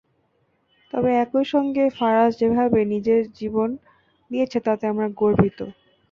তবে একই সঙ্গে ফারাজ যেভাবে নিজের জীবন দিয়েছে, তাতে আমরা গর্বিত।